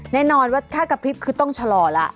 แน่นอนว่าถ้ากระพริบคือต้องชะลอแล้ว